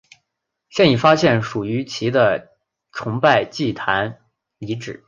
现已发现属于其的崇拜祭坛遗址。